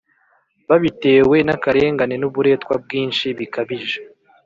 Babitewe n’akarengane n’uburetwa bwinshi bikabije.